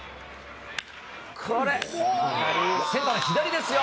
センターの左ですよ。